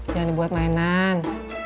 jangan dibuat mainan